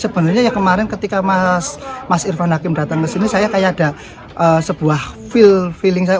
sebenarnya ya kemarin ketika mas irfan hakim datang ke sini saya kayak ada sebuah feeling saya